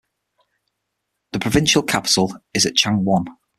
The provincial capital is at Changwon.